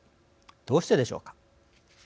どうしてでしょうか。